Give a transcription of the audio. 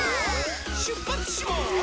しゅっぱつします！